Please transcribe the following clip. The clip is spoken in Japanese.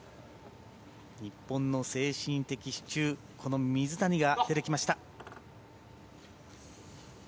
日本の精神的支柱水谷が出てきました。